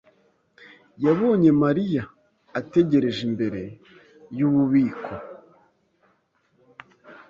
yabonye Mariya ategereje imbere yububiko.